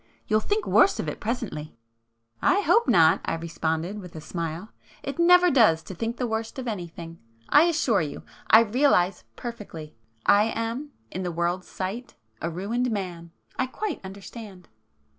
You'll think worse of it presently." "I hope not!" I responded, with a smile—"It never does [p 481] to think the worst of anything. I assure you I realize perfectly. I am in the world's sight a ruined man,—I quite understand!"